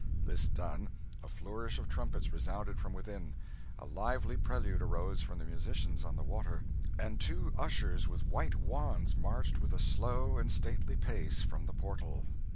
This done, a flourish of trumpets resounded from within. A lively prelude arose from the musicians on the water; and two ushers with white wands marched with a slow and stately pace from the portal.